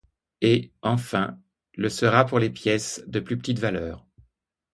Et, enfin, le sera pour les pièces de plus petite valeur.